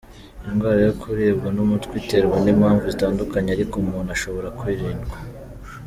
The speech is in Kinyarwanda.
Indwara yo kuribwa n’umutwe iterwa n’impamvu zitandukanye, ariko umuntu ashobora kwirindwa.